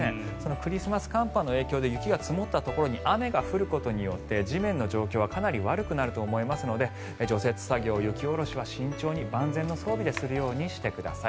クリスマス寒波の影響で雪が積もったところに雨が降ることによって地面の状況はかなり悪くなると思いますので除雪作業、雪下ろしは慎重に万全の装備でするようにしてください。